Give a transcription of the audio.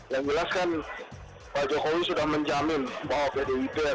yang jelas kan pak jokowi sudah menjamin bahwa bdid akan mendapatkan perbaikan